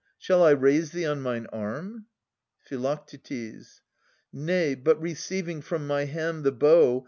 Shall I raise thee on mine arm? Phi. Nay, but receiving from my hand the bow.